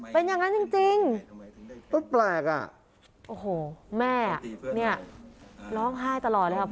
เป็นอย่างนั้นจริงจริงโอ้ยแปลกอ่ะโอ้โหแม่เนี้ยร้องไห้ตลอดเลยค่ะ